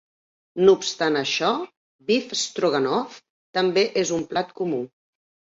No obstant això, Beef Stroganoff també és un plat comú.